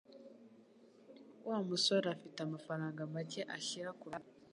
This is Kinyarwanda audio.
Wa musore afite amafaranga make ashyira kuruhande.